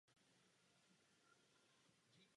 Je to také sídlo stejnojmenné obce.